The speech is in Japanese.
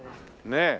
ねえ。